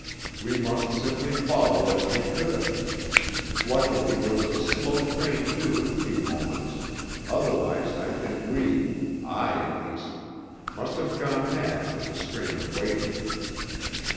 We must simply follow as we could. Luckily there was a slow train due in a few moments, otherwise I think we (I at least) must have gone mad with the strain of waiting.